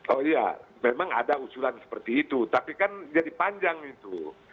oh iya memang ada usulan seperti itu tapi kan jadi panjang itu